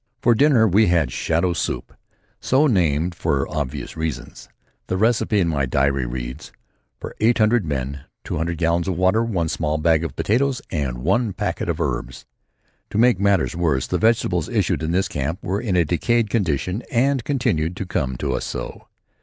For dinner we had shadow soup, so named for obvious reasons. The recipe in my diary reads: "For eight hundred men, two hundred gallons of water, one small bag of potatoes and one packet of herbs." To make matters worse the vegetables issued at this camp were in a decayed condition and continued to come to us so.